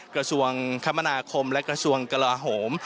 กระสวงค์คมพนาคมและกระสวงค์กระโลหฮม